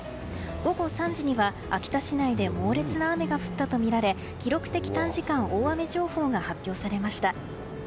午後３時には、秋田市内で猛烈な雨が降ったとみられ記録的短時間大雨情報が発表されました。